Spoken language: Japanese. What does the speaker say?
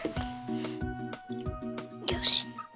よし。